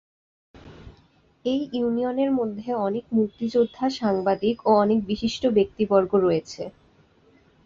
এই ইউনিয়নের মধ্যে অনেক মুক্তিযোদ্ধা, সাংবাদিক, ও অনেক বিশিষ্ট ব্যক্তি বর্গ রয়েছে।